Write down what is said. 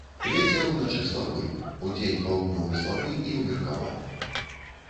Вецер уначы слабы, удзень паўднёвы слабы і ўмеркаваны.